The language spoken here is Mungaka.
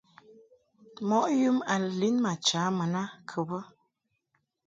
Mɔʼ yum a lin ma cha mun a kɨ bɛ.